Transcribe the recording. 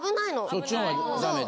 そっちの方がダメで。